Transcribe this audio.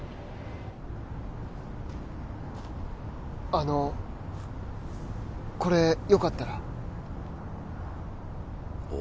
あのこれよかったらあ